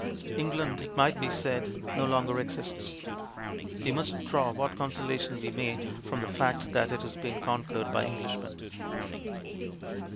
England, it might be said, no longer exists ; we must draw what consolation we may from the fact that it has been conquered by Englishmen.